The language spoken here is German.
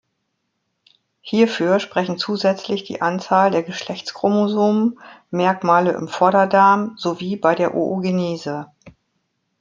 Hierfür sprechen zusätzlich die Anzahl der Geschlechtschromosomen, Merkmale im Vorderdarm sowie bei der Oogenese.